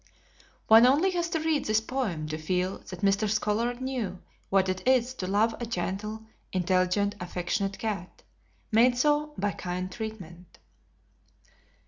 One only has to read this poem to feel that Mr. Scollard knew what it is to love a gentle, intelligent, affectionate cat made so by kind treatment.